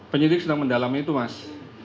penyidik sedang mendalami itu mas